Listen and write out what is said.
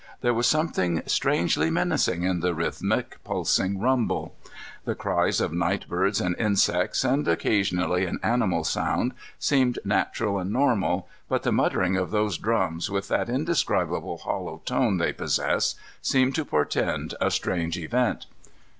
There was something strangely menacing in the rhythmic, pulsing rumble. The cries of night birds and insects, and occasionally an animal sound, seemed natural and normal, but the muttering of those drums with that indescribable hollow tone they possess, seemed to portend a strange event.